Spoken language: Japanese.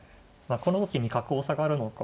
この時に角を下がるのか。